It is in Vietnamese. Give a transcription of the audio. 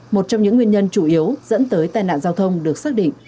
một trong những nguyên nhân chủ yếu dẫn tới tai nạn giao thông được xác định